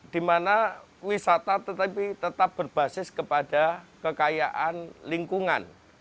dimana wisata tetapi tetap berbasis kepada kekayaan lingkungan